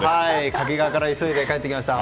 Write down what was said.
掛川から急いで帰ってきました。